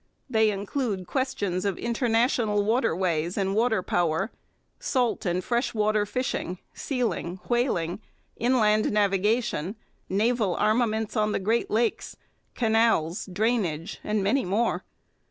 They include questions of international waterways and water power, salt and fresh water fishing, sealing, whaling, inland navigation, naval armaments on the Great Lakes, canals, drainage, and many more.